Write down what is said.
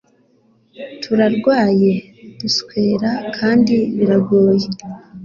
Turarwaye duswera kandi biragoye